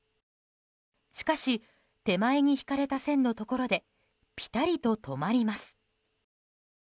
しかし手前に引かれた線のところでぴたりと止まります。